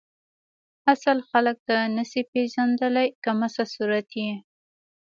اصل خلک ته نسی پیژندلی کمسل صورت یی